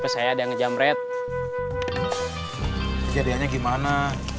saya ada ngejam red jadiannya gimana